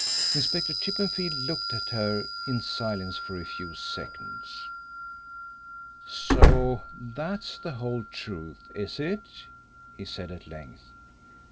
Inspector Chippenfield looked at her in silence for a few seconds. "So that's the whole truth, is it?" he said at length.